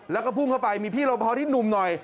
แล้วก็พุ่งเข้าไปมีพี่รอพอที่หนุ่มหน่อย